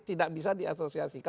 tidak bisa diasosiasikan